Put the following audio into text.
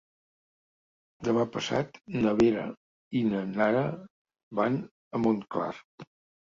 Demà passat na Vera i na Nara van a Montclar.